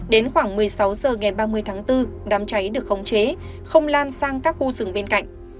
đến khoảng một mươi sáu h ngày ba mươi tháng bốn đám cháy được khống chế không lan sang các khu rừng bên cạnh